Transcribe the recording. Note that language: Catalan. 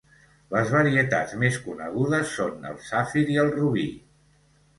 Les varietats més conegudes són el safir i el robí.